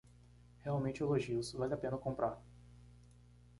Realmente elogios, vale a pena comprar